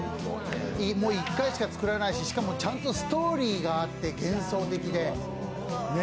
もう一回しか作らないししかもちゃんとストーリーがあって幻想的で。